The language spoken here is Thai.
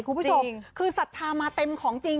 คุณผู้ชมคือศรัทธามาเต็มของจริง